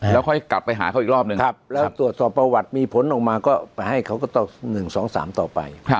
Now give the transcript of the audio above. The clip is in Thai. แล้วค่อยกลับไปหาเขาอีกรอบหนึ่งแล้วตรวจสอบประวัติมีผลออกมาก็ไปให้เขาก็ต่อ๑๒๓ต่อไป